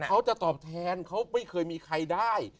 เขาจะตอบแทนเขาไม่เคยมีใครได้